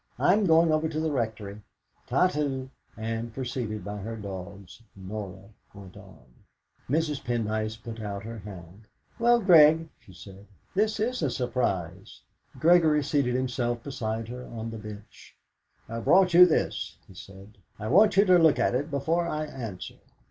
I'm going over to the Rectory. Ta to!" And preceded by her dogs, Norah went on. Mrs. Pendyce put out her hand. "Well, Grig," she said, "this is a surprise." Gregory seated himself beside her on the bench. "I've brought you this," he said. "I want you to look at it before I answer."